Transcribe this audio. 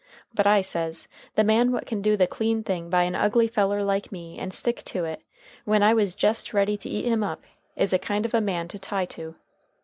But I says, the man what can do the clean thing by a ugly feller like me, and stick to it, when I was jest ready to eat him up, is a kind of a man to tie to."